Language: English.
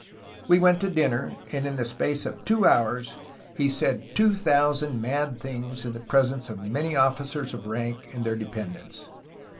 We went to dinner, and in the space of two hours he said two thousand mad things in the presence of many officers of rank and their dependents.